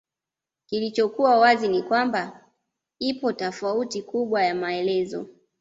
Kilichokuwa wazi ni kwamba ipo tofauti kubwa ya maelezo